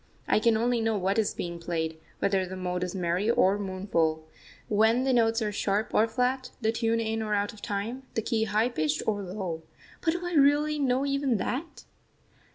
I can only know what is being played, whether the mode is merry or mournful, when the notes are sharp or flat, the tune in or out of time, the key high pitched or low. But do I really know even that?